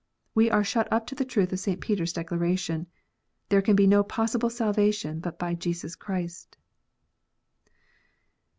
We are shut up to the truth of St. Peter s declaration. There can be no possible salvation but by Jesus Christ.